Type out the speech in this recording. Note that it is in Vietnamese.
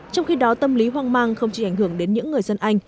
trong khi đó tâm lý hoang mang không chỉ ảnh hưởng đến những người dân anh